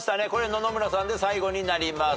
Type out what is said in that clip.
野々村さんで最後になります。